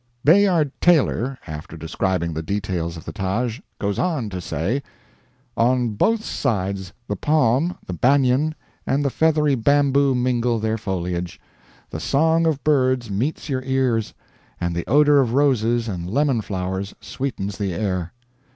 Bayard Taylor, after describing the details of the Taj, goes on to say: "On both sides the palm, the banyan, and the feathery bamboo mingle their foliage; the song of birds meets your ears, and the odor of roses and lemon flowers sweetens the air.